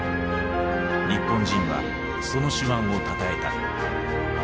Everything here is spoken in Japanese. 日本人はその手腕をたたえた。